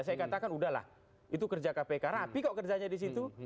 saya katakan udahlah itu kerja kpk rapi kok kerjanya di situ